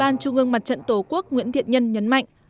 nhưng mặt trận tổ quốc nguyễn thiện nhân nhấn mạnh